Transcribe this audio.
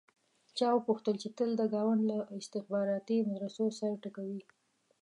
چا وپوښتل چې تل د ګاونډ له استخباراتي مدرسو سر ټکوې.